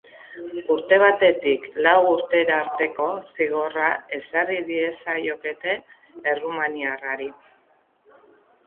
Urte batetik lau urtera arteko zigorra ezarri diezaiokete errumaniarrari.